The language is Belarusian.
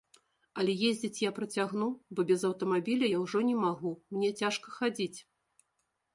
Але ездзіць я працягну, бо без аўтамабіля я ўжо не магу, мне цяжка хадзіць.